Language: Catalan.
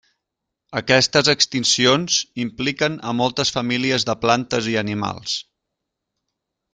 Aquestes extincions impliquen a moltes famílies de plantes i animals.